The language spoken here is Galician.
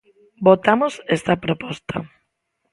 Votamos esta proposta.